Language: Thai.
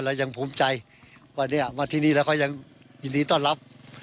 ยังภูมิใจว่าเนี่ยมาที่นี่แล้วก็ยังยินดีต้อนรับ